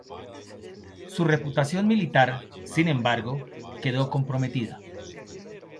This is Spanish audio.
Su reputación militar, sin embargo, quedó comprometida.